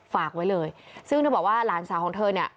ฝากไว้เลยซึ่งเธอบอกว่าหลานสาวของเธอเนี่ย